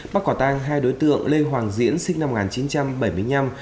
bắt quả tang hai đối tượng lê hoàng diễn sinh năm một nghìn chín trăm bảy mươi năm